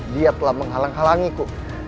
dia telah menghalang halangiku